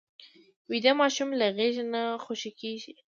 ویده ماشوم له غېږه نه خوشې کېږي